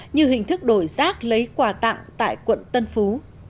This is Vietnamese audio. như hình thức đổi rác lấy quà tặng tại quận tân phú